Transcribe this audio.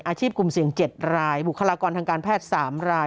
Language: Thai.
กลุ่มเสี่ยง๗รายบุคลากรทางการแพทย์๓ราย